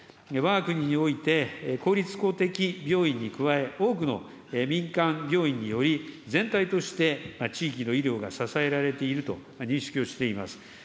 わが国において、公立公的病院に加え、多くの民間病院により、全体として地域の医療が支えられていると認識をしています。